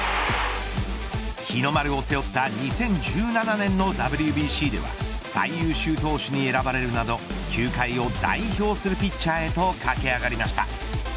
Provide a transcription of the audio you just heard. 日の丸を背負った２０１７年のＷＢＣでは最優秀投手に選ばれるなど球界を代表するピッチャーへと駆け上がりました。